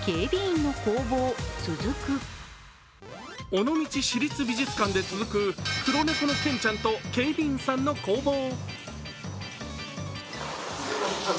尾道市立美術館で続く黒猫のケンちゃんと警備員さんの攻防。